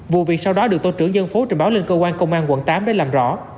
vụ việc sau đó được tổ trưởng dân phố trình báo lên cơ quan công an quận tám để làm rõ